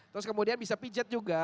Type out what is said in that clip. terus kemudian bisa pijat juga